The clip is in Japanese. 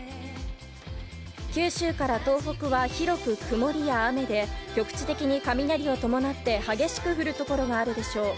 九州から東北は、広く曇りや雨で、局地的に雷を伴って激しく降る所があるでしょう。